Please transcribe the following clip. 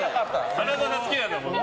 花澤さん、好きなんだよね。